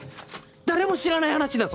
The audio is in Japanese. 誰も知らない話だぞ？